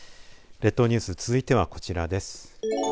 列島ニュース続いてはこちらです。